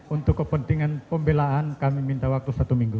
untuk kepentingan pembelaan kami minta waktu satu minggu